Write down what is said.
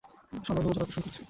সবার মনোযোগ আকর্ষণ করছি।